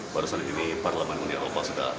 barusan ini parlemen uni eropa